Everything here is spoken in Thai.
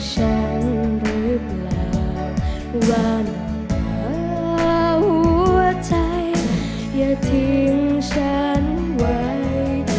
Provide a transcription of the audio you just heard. ที่รักใจเธอคิดอะไร